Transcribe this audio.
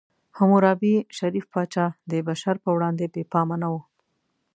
حموربي، شریف پاچا، د بشر په وړاندې بې پامه نه و.